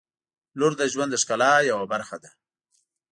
• لور د ژوند د ښکلا یوه برخه ده.